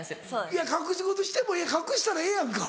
いや隠し事しても隠したらええやんか。